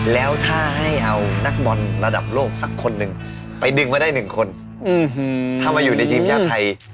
แล้วถ้าให้เอานักบอลระดับโลกสักคนหนึ่งไปดึงไว้ได้๑คนถ้ามาอยู่ในทีมชาติไทย